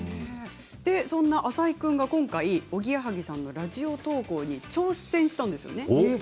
そんな浅井君が今回おぎやはぎさんのラジオ投稿に挑戦したんですよね。